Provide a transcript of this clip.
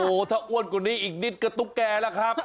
โอ้โหถ้าอ้วนกว่านี้อีกนิดก็ตุ๊กแก่แล้วครับ